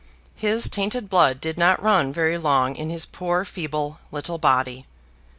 His tainted blood did not run very long in his poor feeble little body.